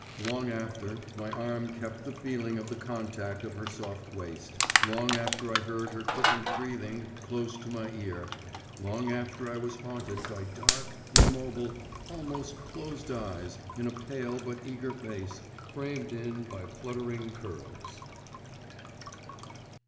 Long after, my arm kept the feeling of the contact of her soft waist, long after I heard her quickened breathing close to my ear, long after I was haunted by dark, immobile, almost closed eyes in a pale but eager face, framed in by fluttering curls.